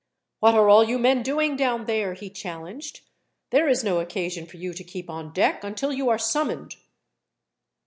"What are all you men doing down there?" he challenged. "There is no occasion for you to keep on deck until you are summoned."